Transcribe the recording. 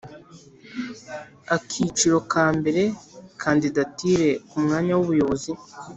Akiciro ka mbere Kandidatire ku mwanya w ubuyobozi